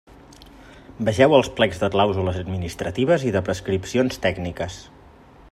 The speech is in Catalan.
Vegeu els plecs de clàusules administratives i de prescripcions tècniques.